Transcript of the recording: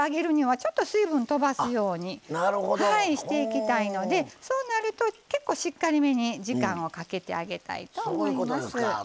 ちょっと水分とばすようにしていきたいのでそうなると、結構、しっかりめに時間をかけてあげたいと思います。